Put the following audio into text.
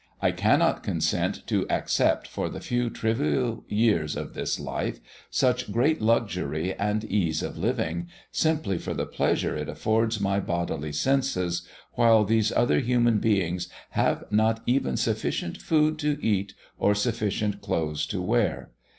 I cannot consent to accept for the few trivial years of this life such great luxury and ease of living, simply for the pleasure it affords my bodily senses, while these other human beings have not even sufficient food to eat or sufficient clothes to wear.